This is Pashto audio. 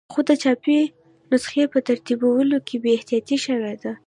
خو د چاپي نسخې په ترتیبولو کې بې احتیاطي شوې ده.